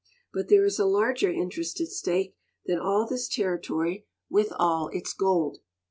But there is a larger interest at stake than all this territory, with all its gold.